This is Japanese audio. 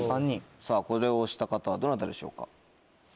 さぁこれを押した方はどなたでしょうか？